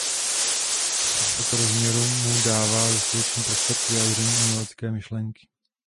Plocha tohoto rozměru mu dává dostatečný prostor k vyjádření umělecké myšlenky.